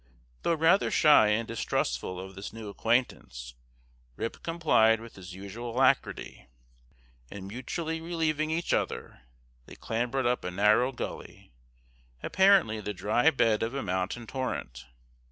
Though rather shy and distrustful of this new acquaintance, Rip complied with his usual alacrity; and mutually relieving each other, they clambered up a narrow gully, apparently the dry bed of a mountain torrent.